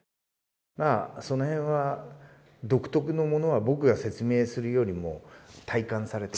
まあその辺は独特のものは僕が説明するよりも体感されて。